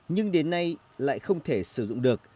nhưng đến nay lại không thể dùng được